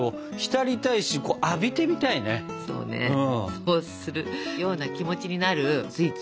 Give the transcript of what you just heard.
そうするような気持ちになるスイーツ